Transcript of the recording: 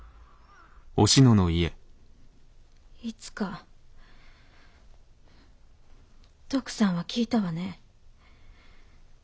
いつか徳さんは聞いたわね。